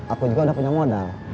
aku juga udah punya modal